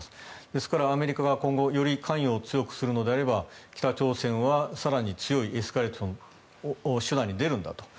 ですから、アメリカが今後より関与を強くするのであれば北朝鮮は更に強いエスカレートをその手段に出るんだと。